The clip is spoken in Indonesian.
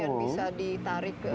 kemudian bisa ditarik ke nyelek